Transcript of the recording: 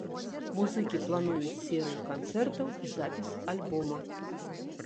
Музыкі плануюць серыю канцэртаў і запіс альбома.